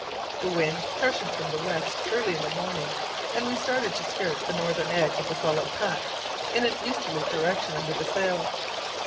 The wind freshened from the west early the next morning, and we started to skirt the northern edge of the solid pack in an easterly direction under sail.